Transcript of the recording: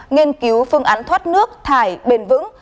nghiên cứu phương án thoát nước thải bền vững